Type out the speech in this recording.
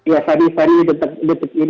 ya tadi tadi betul